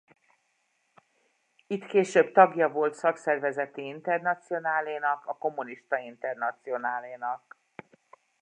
Itt később tagja volt Szakszervezeti Internacionálénak a Kommunista Internacionálénak.